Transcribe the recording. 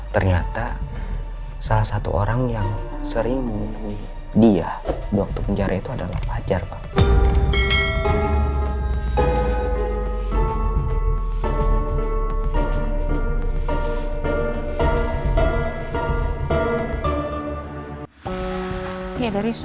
ternyata salah satu orang yang sering menghubungi dia waktu penjara itu adalah fajar pak